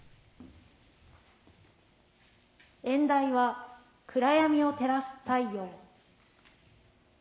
演題は「暗闇を照らす太陽」。